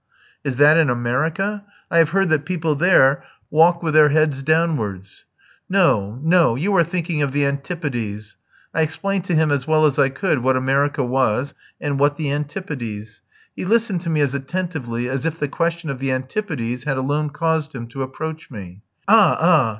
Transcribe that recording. "Is that in America? I have heard that people there walk with their heads downwards." "No, no; you are thinking of the Antipodes." I explained to him as well as I could what America was, and what the Antipodes. He listened to me as attentively as if the question of the Antipodes had alone caused him to approach me. "Ah, ah!